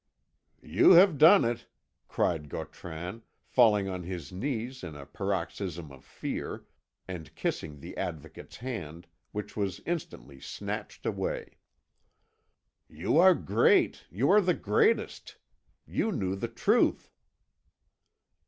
"You have done it!" cried Gautran, falling on his knees in a paroxysm of fear, and kissing the Advocate's hand, which was instantly snatched away. "You are great you are the greatest! You knew the truth!"